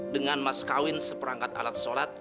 dengan mas kawin seperangkat alat sholat